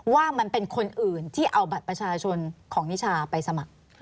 ว่ามันเป็นคนอื่นที่เอาบัตรประชาชนของนิชาไปสมัคร